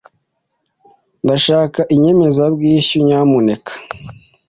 Ndashaka inyemezabwishyu, nyamuneka.